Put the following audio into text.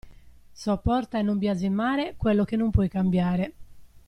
Sopporta e non biasimare quello che non puoi cambiare.